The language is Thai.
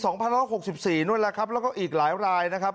๒๐๖๔นู่นแล้วครับแล้วก็อีกหลายรายนะครับ